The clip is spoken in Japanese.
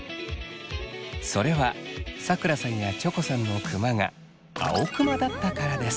それはさくらさんやチョコさんのクマが青クマだったからです。